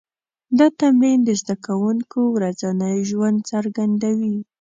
دا تمرین د زده کوونکو ورځنی ژوند څرګندوي.